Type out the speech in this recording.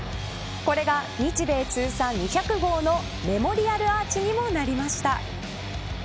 これが日米通算２００号のメモリアルアーチにもなりました。